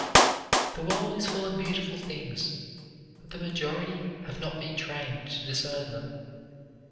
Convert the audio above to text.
The world is full of beautiful things, but the majority have not been trained to discern them.